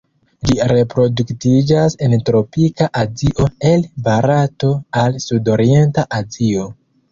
Ĝi reproduktiĝas en tropika Azio el Barato al Sudorienta Azio.